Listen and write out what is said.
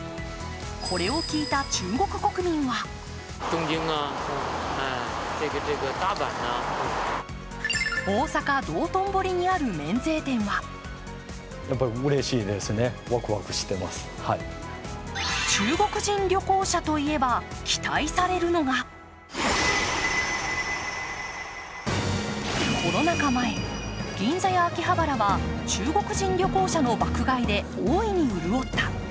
これを聞いた中国国民は大阪・道頓堀にある免税店は中国人旅行者といえば期待されるのがコロナ禍前、銀座や秋葉原は中国人旅行者の爆買いで大いに潤った。